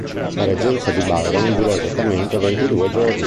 La reggenza di Biron durò esattamente ventidue giorni.